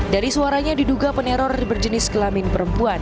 dari suaranya diduga peneror berjenis kelamin perempuan